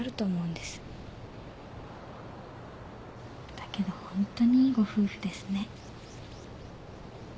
だけどホントにいいご夫婦ですね。